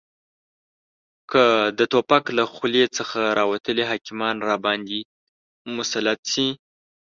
که د توپک له خولې څخه راوتلي حاکمان راباندې مسلط شي